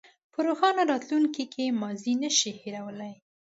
په روښانه راتلونکي کې ماضي نه شئ هېرولی.